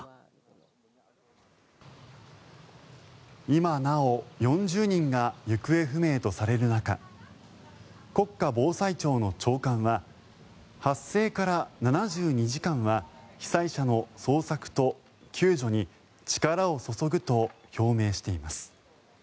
今なお４０人が行方不明とされる中国家防災庁の長官は発生から７２時間は被災者の捜索と救助に力を注ぐと表明しています。